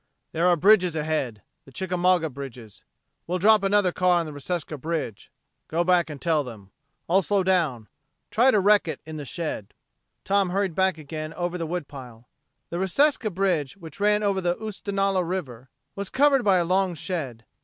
"There are bridges ahead the Chickamauga bridges. We'll drop another car on the Reseca bridge. Go back and tell them. I'll slow down. Try to wreck it in the shed." Tom hurried back again over the wood pile. The Reseca bridge which ran over the Oostenaula River was covered by a long shed.